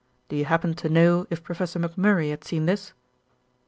Do you happen to know if Professor McMurray had seen this?"